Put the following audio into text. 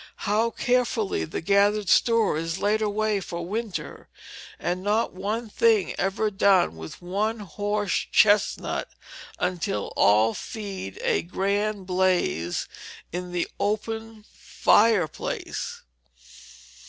How carefully the gathered store is laid away for winter, and not one thing ever done with one horse chestnut, until all feed a grand blaze in the open fireplace!